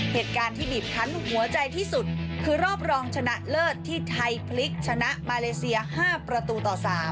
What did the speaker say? เหตุการณ์ที่บีบคันหัวใจที่สุดคือรอบรองชนะเลิศที่ไทยพลิกชนะมาเลเซีย๕ประตูต่อ๓